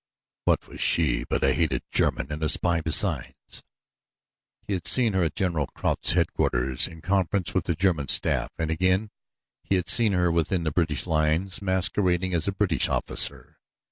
What was she but a hated German and a spy besides? He had seen her at General Kraut's headquarters, in conference with the German staff and again he had seen her within the British lines masquerading as a British officer.